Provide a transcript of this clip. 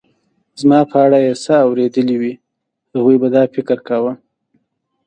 زما په اړه څه اورېدلي وي، هغوی به دا فکر کاوه.